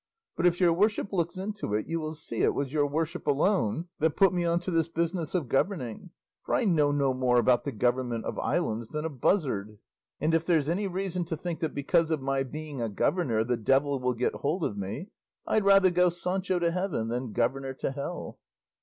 But if your worship looks into it, you will see it was your worship alone that put me on to this business of governing; for I know no more about the government of islands than a buzzard; and if there's any reason to think that because of my being a governor the devil will get hold of me, I'd rather go Sancho to heaven than governor to hell."